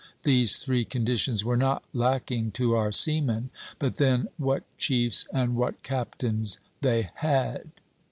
These three conditions were not lacking to our seamen; but then, what chiefs and what captains they had!"